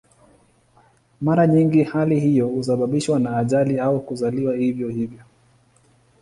Mara nyingi hali hiyo husababishwa na ajali au kuzaliwa hivyo hivyo.